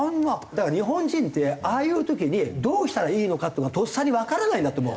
だから日本人ってああいう時にどうしたらいいのかっていうのがとっさにわからないんだと思う。